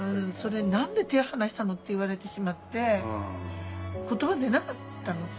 「何で手離したの」って言われてしまって言葉出なかったのさ。